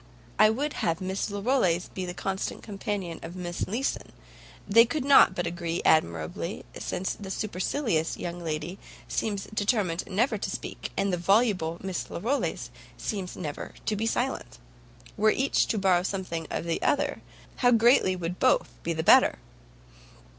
I would have Miss Larolles be the constant companion of Miss Leeson: they could not but agree admirably, since that SUPERCILIOUS young lady seems determined never to speak, and the VOLUBLE Miss Larolles never to be silent. Were each to borrow something of the other, how greatly would both be the better!"